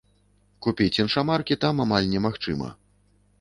Купіць іншамаркі там амаль немагчыма.